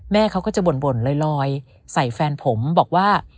เขาก็จะบ่นลอยใส่แฟนผมบอกว่า